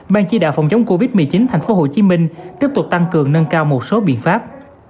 ban chỉ đạo phòng chống covid một mươi chín tp hcm tiếp tục tăng cường nâng cao một số biện pháp